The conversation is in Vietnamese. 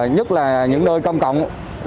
nhất là những nơi công cộng